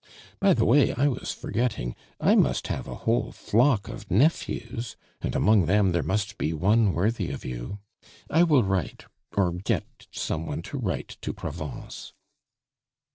By the way, I was forgetting. I must have a whole flock of nephews, and among them there must be one worthy of you! I will write, or get some one to write to Provence."